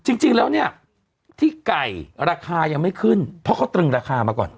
จริงแล้วเนี่ยที่ไก่ราคายังไม่ขึ้นเพราะเขาตรึงราคามาก่อน